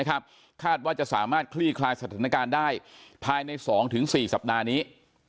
คาดว่าจะสามารถคลี่คลายสถานการณ์ได้ภายใน๒๔สัปดาห์นี้